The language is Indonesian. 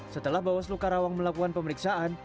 setelah bawaslu karawang melakukan pemeriksaan